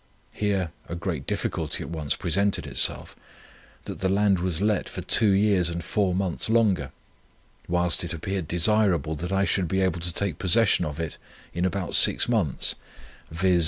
Here a great difficulty at once presented itself, that the land was let for two years and four months longer, whilst it appeared desirable that I should be able to take possession of it in about six months, viz.